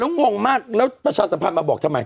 งงมากแล้วประชาสัมพันธ์มาบอกทำไม